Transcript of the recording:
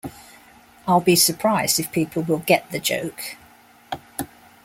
I'll be surprised if people will get the joke.